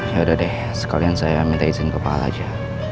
yaudah deh sekalian saya minta izin kepala aja